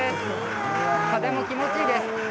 風も気持ちがいいです。